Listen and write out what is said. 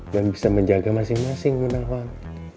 dan bisa menjaga masing masing bunda wang